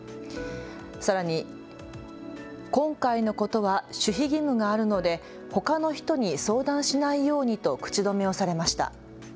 さらに今回のことは守秘義務があるのでほかの人に相談しないようにと口止めをされました。